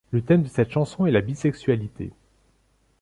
Le thème de cette chanson est la bisexualité.